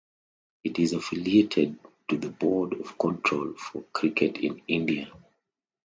It is affiliated to the Board of Control for Cricket in India.